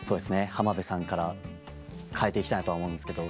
「浜辺さん」から変えて行きたいなとは思うんですけど。